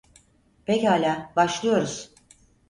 Pekâlâ, başlıyoruz.